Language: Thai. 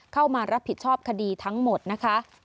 เข้ามารับผิดชอบคดีทั้งหมดนะคะ